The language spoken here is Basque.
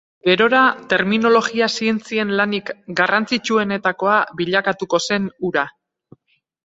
Gerora, terminologia-zientzien lanik garrantzitsuenetakoa bilakatuko zen hura.